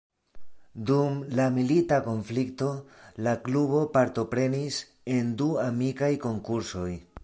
Dum la milita konflikto, la klubo partoprenis en du amikaj konkursoj.